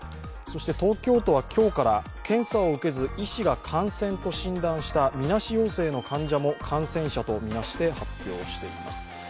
そして東京都は今日から検査を受けず医師が感染と診断したみなし陽性の患者も感染者とみなして発表しています。